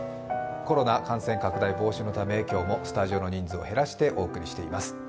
コロナ感染拡大防止のため今日もスタジオの人数を減らしてお送りしております。